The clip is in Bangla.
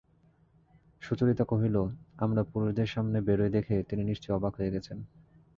সুচরিতা কহিল, আমরা পুরুষদের সামনে বেরোই দেখে তিনি নিশ্চয় অবাক হয়ে গেছেন।